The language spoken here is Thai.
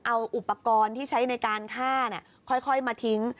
เอาอุปกรณ์ที่ใช้ในการฆ่าค่อยมาทิ้ง